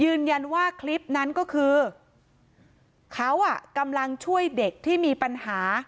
ยืนยันว่าคลิปนั้นก็คือเขาอ่ะกำลังช่วยเด็กที่มีปัญหา